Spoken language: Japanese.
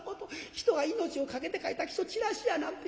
人が命を懸けて書いた起請をチラシやなんて。